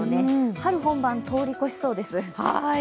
春本番を通り越しそうです。